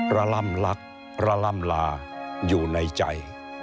ร่ำลักระล่ำลาอยู่ในใจ